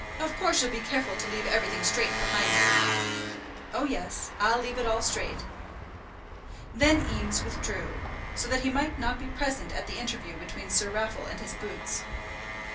Of course you'll be careful to leave everything straight behind you." "Oh, yes; I'll leave it all straight." Then Eames withdrew, so that he might not be present at the interview between Sir Raffle and his boots.